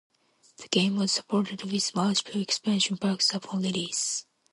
The game was supported with multiple expansion packs upon release.